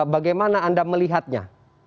bagaimana anda melihatnya